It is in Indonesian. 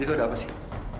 itu ada apa sih